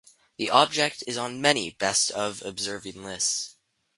The object is on many "best of" observing lists.